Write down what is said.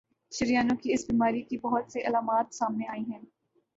شریانوں کی اس بیماری کی بہت سی علامات سامنے آئی ہیں